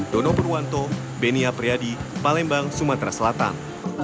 dono purwanto benia priadi palembang sumatera selatan